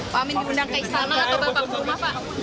pak amin diundang ke istana atau bapak ke rumah pak